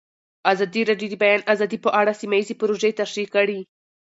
ازادي راډیو د د بیان آزادي په اړه سیمه ییزې پروژې تشریح کړې.